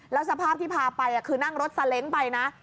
แล้วสภาพที่พาไปคือนั่งรถซาเล้งไปนะ